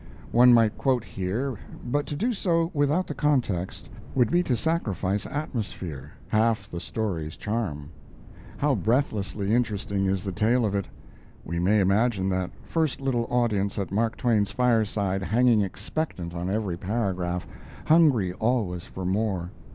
One might quote here, but to do so without the context would be to sacrifice atmosphere, half the story's charm. How breathlessly interesting is the tale of it! We may imagine that first little audience at Mark Twain's fireside hanging expectant on every paragraph, hungry always for more.